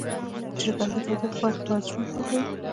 چرګان د تودوخې پر وخت وزرونه پراخوي.